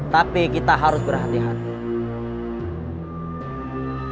tapi kita harus berhati hati